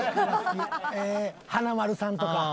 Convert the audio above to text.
華丸さんとか。